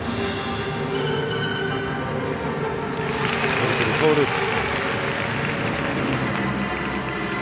トリプルトウループ。